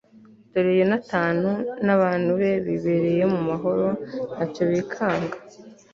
dore yonatani n'abantu be bibereye mu mahoro nta cyo bikanga